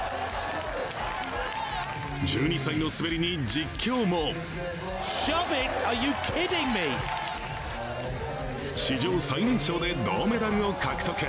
１２歳の滑りに実況も史上最年少で銅メダルを獲得。